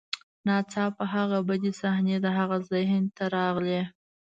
ناڅاپه هغه بدې صحنې د هغه ذهن ته راغلې